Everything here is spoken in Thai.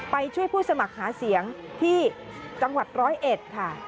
ไปช่วยผู้สมัครหาเสียงที่จังหวัดร้อยเอ็ดค่ะ